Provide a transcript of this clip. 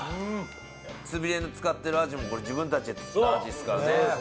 つみれに使ってるアジもこれ自分たちで釣ったアジですからね。